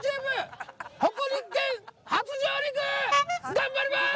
頑張ります！